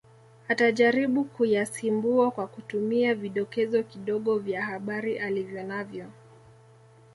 Atajaribu kuyasimbua kwa kutumia vidokezo kidogo vya habari alivyonavyo